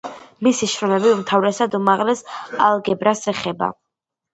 მისი შრომები უმთავრესად უმაღლეს ალგებრას ეხება.